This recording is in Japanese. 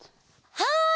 はい！